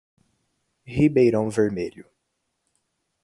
Ribeirão Vermelho